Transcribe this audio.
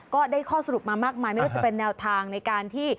ก็ได้ข้อสรุปมามากมายไม่ว่าจะเป็นแนวทางในการที่